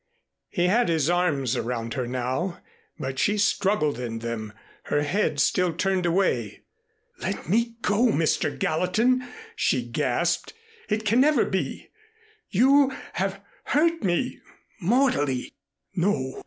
He had his arms around her now; but she struggled in them, her head still turned away. "Let me go, Mr. Gallatin," she gasped. "It can never be. You have hurt me mortally." "No.